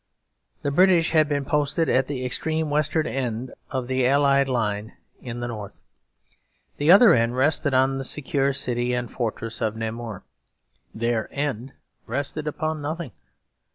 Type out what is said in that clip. The British had been posted at the extreme western end of the allied line in the north. The other end rested on the secure city and fortress of Namur; their end rested upon nothing.